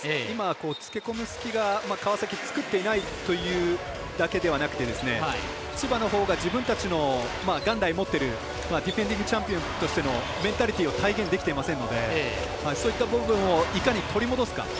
今、付け込む隙が川崎、作っていないというだけではなくて千葉のほうが自分たちの元来持っているディフェンディングチャンピオンとしてのメンタリティーを体現できていませんのでそういった部分をいかに取り戻すか。